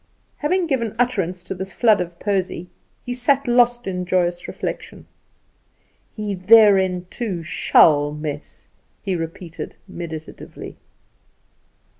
Having given utterance to this flood of poesy, he sat lost in joyous reflection. "He therein, too, shall mess," he repeated meditatively.